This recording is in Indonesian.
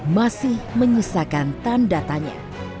masih menyisakan tanda tanya